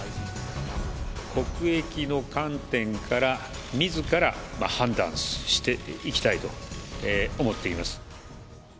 国益の観点から、みずから判断していきたいと思っています。